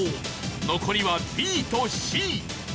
残りはＢとＣ。